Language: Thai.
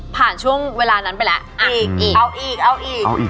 ผ่านช่วงเวลานั้นไปแล้วอ่ะอีกเอาอีกเอาอีกเอาอีก